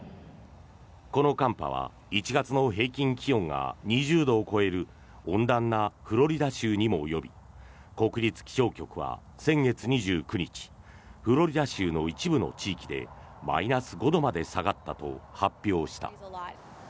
この寒波は１月の平均気温が２０度を超える温暖なフロリダ州にも及び国立気象局は先月２９日フロリダ州の一部の地域でマイナス５度まで下がったと発表した。